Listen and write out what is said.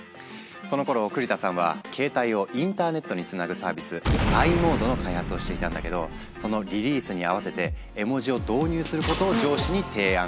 そのころ栗田さんはケータイをインターネットにつなぐサービス「ｉモード」の開発をしていたんだけどそのリリースに合わせて絵文字を導入することを上司に提案。